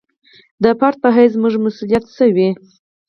د فرد په حیث زموږ مسوولیت څه وي.